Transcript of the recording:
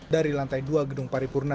dari lantai dua gedung paripurna